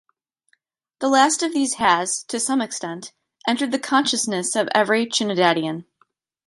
The last of these has, to some extent, entered the consciousness of every Trinidadian.